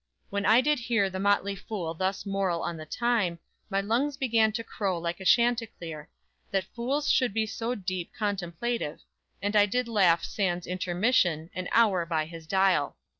When I did hear The motley fool thus moral on the time, My lungs began to crow like chanticleer, That fools should be so deep contemplative; And I did laugh sans intermission, An hour by his dial.